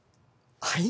はい？